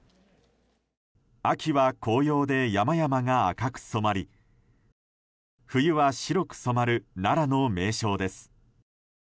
秋は紅葉で山々が赤く染まり冬は白く染まる奈良の名勝です。